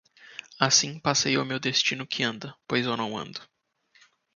Assim passei o meu destino que anda, pois eu não ando;